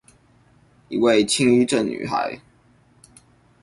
一位輕鬱症女孩